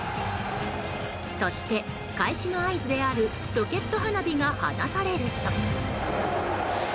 そして、開始の合図であるロケット花火が放たれると。